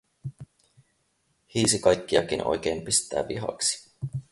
Hiisi kaikkiakin, oikein pistää vihaksi.